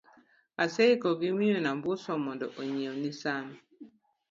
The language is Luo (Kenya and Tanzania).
aseiko gi miyo Nambuswa mondo onyiewni san